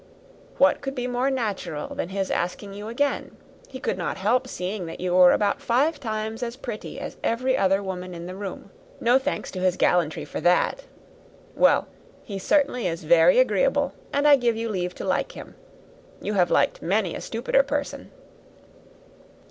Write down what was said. What could be more natural than his asking you again? He could not help seeing that you were about five times as pretty as every other woman in the room. No thanks to his gallantry for that. Well, he certainly is very agreeable, and I give you leave to like him. You have liked many a stupider person."